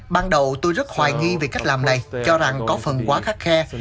ban đầu tôi rất hoài nghi về cách làm này cho rằng có phần quá khắt khe